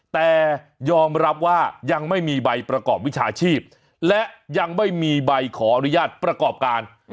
แต่ยอมรับว่ายังไม่มีใบประกอบวิชาชีพและยังไม่มีใบขออนุญาตประกอบการ